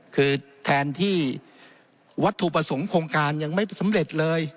คือแทนที่วัตถุประสงค์โครงการยังไม่สำเร็จเลย